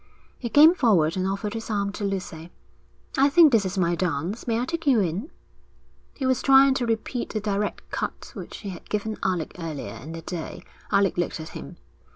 He came forward and offered his arm to Lucy. 'I think this is my dance. May I take you in?' He was trying to repeat the direct cut which he had given Alec earlier in the day. Alec looked at him.